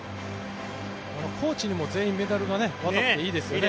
コーチにも全員メダルが渡っていいですよね。